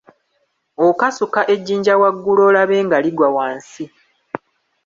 Okasuka ejjinja waggulu olabe nga ligwa wansi.